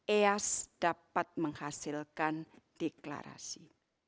eas dapat menghasilkan deklarasi